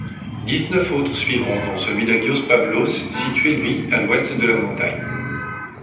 Dix-neuf autres suivront dont celui d'Aghios Pavlos situé lui à l'ouest de la montagne.